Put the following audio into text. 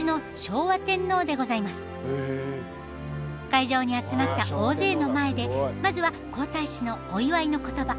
会場に集まった大勢の前でまずは皇太子のお祝いの言葉。